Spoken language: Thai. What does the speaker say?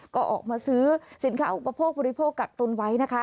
ก็ออกมาซื้อสินค้าอุปโภคบริโภคกักตุนไว้นะคะ